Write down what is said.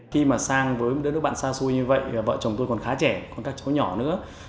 khi mà sang với đất nước bạn xa xôi như vậy vợ chồng tôi còn khá trẻ còn các cháu nhỏ nữa